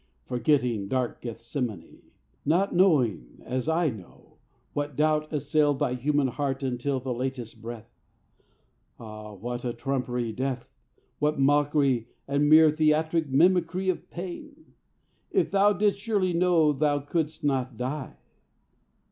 Forgetting dark Gethsemane, Not knowing, as I know, what doubt assailed Thy human heart until the latest breath. Ah, what a trumpery death, what mockery And mere theatric mimicry of pain, If thou didst surely know thou couldst not die!